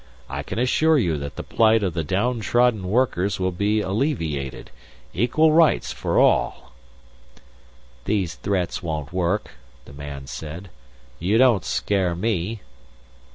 I can assure you that the plight of the downtrodden workers will be alleviated. Equal rights for all " "These threats won't work," the man said. "You don't scare me."